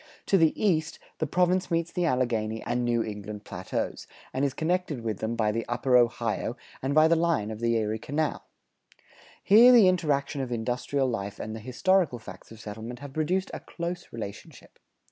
To the east, the province meets the Alleghany and New England Plateaus, and is connected with them by the upper Ohio and by the line of the Erie Canal. Here the interaction of industrial life and the historical facts of settlement have produced a close relationship.